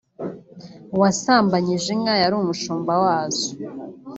uwasambanyije inka yari umushumb wazo